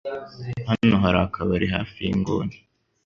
Hano hari akabari hafi yinguni.